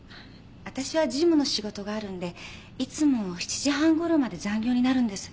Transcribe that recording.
わたしは事務の仕事があるんでいつも７時半ごろまで残業になるんです。